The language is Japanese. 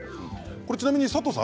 ちなみに佐藤さん